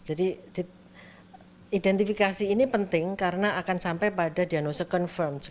jadi identifikasi ini penting karena akan sampai pada diagnosis confirmed